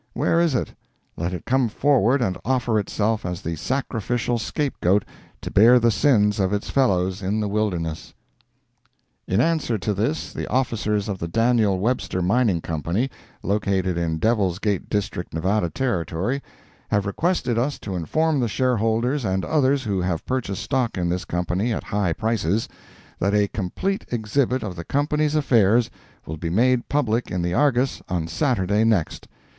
Where is it? Let it come forward and offer itself as the sacrificial scape goat to bear the sins of its fellows into the wilderness." In answer to this the officers of the Daniel Webster Mining Company, located in Devil's Gate District, Nevada Territory, have requested us to inform the shareholders and others who have purchased stock in this Company at high prices, that a complete exhibit of the Company's affairs will be made public in the Argus on Saturday next.